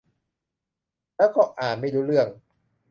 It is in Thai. แล้วก็อ่านไม่รู้เรื่อง